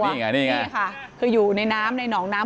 นี่ไงนี่ไงนี่ค่ะคืออยู่ในน้ำในหนองน้ำ